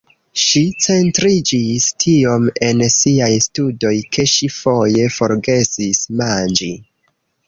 Ŝi centriĝis tiom en siaj studoj ke ŝi foje forgesis manĝi.